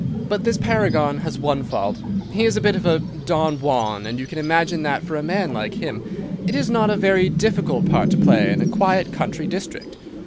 "'But this paragon has one fault. He is a bit of a Don Juan, and you can imagine that for a man like him it is not a very difficult part to play in a quiet country district.